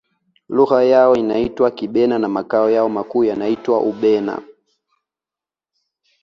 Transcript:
lugha yao inaitwa kibena na makao yao makuu yanaitwa ubena